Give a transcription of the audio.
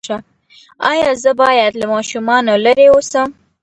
ایا زه باید له ماشومانو لرې اوسم؟